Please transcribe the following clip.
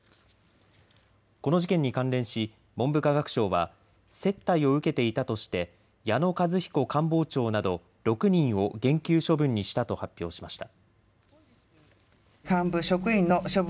この事件に関連し文部科学省は接待を受けていたとして矢野和彦官房長など６人を減給処分にしたと発表しました。